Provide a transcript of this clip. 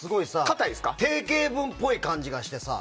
定型文っぽい感じがしてさ。